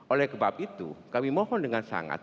oleh sebab itu kami mohon dengan sangat